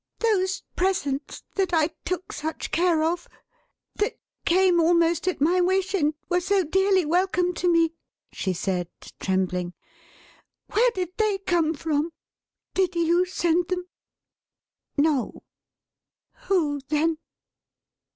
"Those presents that I took such care of; that came almost at my wish, and were so dearly welcome to me," she said, trembling; "where did they come from? Did you send them?" "No." "Who then?"